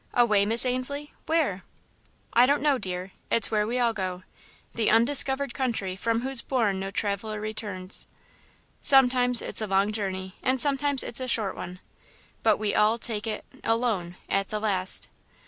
"Away, Miss Ainslie? Where?" "I don't know, dear it's where we all go 'the undiscovered country from whose bourne no traveller returns.' Sometimes it's a long journey and sometimes a short one, but we all take it alone at the last."